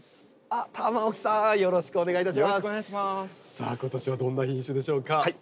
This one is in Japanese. さあ今年はどんな品種でしょうか？